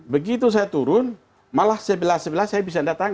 begitu saya turun malah sebelah sebelah saya bisa datang